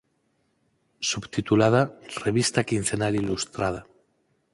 Subtitulada "Revista quincenal ilustrada.